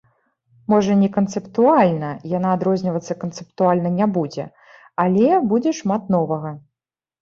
Можа, не канцэптуальна, яна адрознівацца канцэптуальна не будзе, але будзе шмат новага.